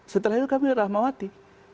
setelah itu kami rahmawati